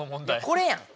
これやん。